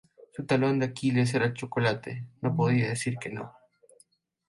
Su talón de Aquiles era el chocolate, no podía decir que no